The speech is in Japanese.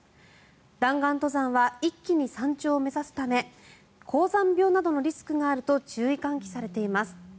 弾丸登山は一気に山頂を目指すため高山病などのリスクがあると注意喚起されています。